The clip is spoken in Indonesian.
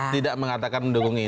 tidak mengatakan mendukung ini